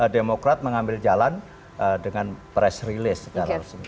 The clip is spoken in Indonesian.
demokrat mengambil jalan dengan press release secara resmi